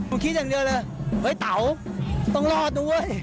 ผมคิดอย่างเดียวเลยเฮ้ยเต๋าต้องรอดด้วยเว้ย